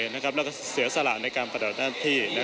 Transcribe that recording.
แล้วก็เสียสละในการปฏิบัติหน้าที่